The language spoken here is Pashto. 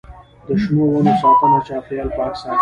د شنو ونو ساتنه چاپیریال پاک ساتي.